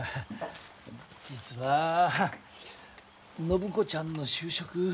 実は暢子ちゃんの就職。